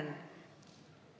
ini adalah tema energi dan pangan